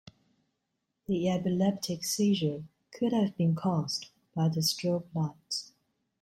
The epileptic seizure could have been cause by the strobe lights.